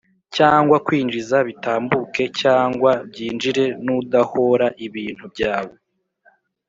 cyangwa kwinjiza bitambuke cyangwa byinjire nudahoora ibintu byawe